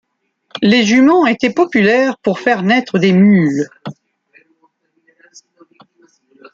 Les juments étaient populaires pour faire naître des mules.